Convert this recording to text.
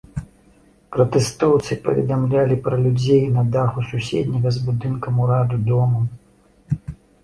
Пратэстоўцы паведамлялі пра людзей на даху суседняга з будынкам ўрада домам.